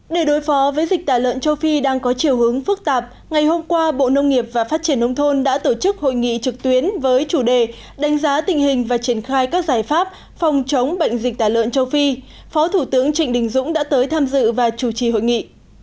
để đối phó với dịch tả lợn châu phi đang có chiều hướng phức tạp ngày hôm qua bộ nông nghiệp và phát triển nông thôn đã tổ chức hội nghị trực tuyến với chủ đề đánh giá tình hình và triển khai các giải pháp phòng chống bệnh dịch tả lợn châu phi phó thủ tướng trịnh đình dũng đã tới tham dự và chủ trì hội nghị